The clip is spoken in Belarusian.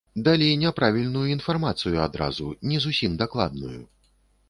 Далі няправільную інфармацыю адразу, не зусім дакладную.